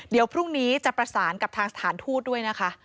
เดี๋ยวพรุ่งนี้จะประสานกับทางสถานทูตด้วยนะคะ